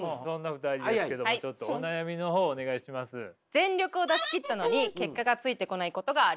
全力を出し切ったのに結果がついてこないことがあります。